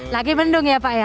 lagi mendung ya pak ya